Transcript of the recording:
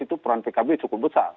itu peran pkb cukup besar